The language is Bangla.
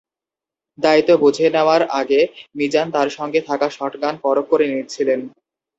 দায়িত্ব বুঝে নেওয়ার আগে মিজান তাঁর সঙ্গে থাকা শটগান পরখ করে নিচ্ছিলেন।